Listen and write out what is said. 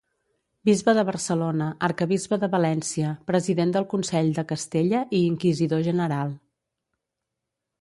Bisbe de Barcelona, arquebisbe de València, president del Consell de Castella i inquisidor general.